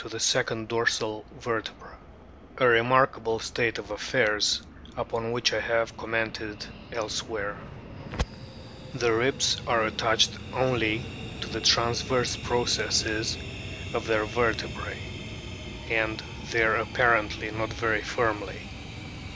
1875, P 2 5 r RIGHT WHALES 143 second dorsal vertebra, a remarkable state of affairs upon which I have commented elsewhere. The ribs are attached only to the transverse processes of their vertebrae, and there apparently not very firmly.